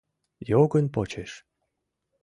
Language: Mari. Йогын почеш